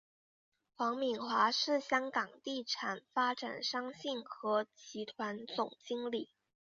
黄敏华是香港地产发展商信和集团总经理。